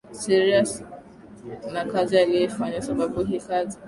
serious na kazi inayoifanya sababu hii kazi